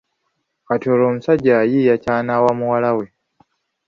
Kati olwo omusajja ayiiya ky’anaawa muwala we.